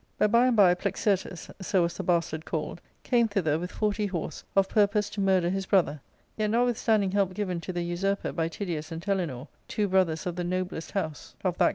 But by and by Plexirtus— so was the bastard called — came thither with forty horse of purpose to murder his bro ther ; yet, notwithstanding help given to the usurper by Tydeus and Telenor, two brothers of the noblest house of that M 2 y 164 ARCADIA.—Book IT.